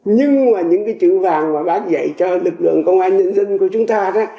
nhưng mà những cái chữ vàng mà bác dạy cho lực lượng công an nhân dân của chúng ta